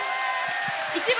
１番